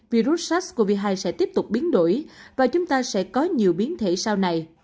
virus sars cov hai sẽ tiếp tục biến đổi và chúng ta sẽ có nhiều biến thể sau này